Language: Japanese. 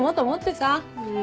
うん。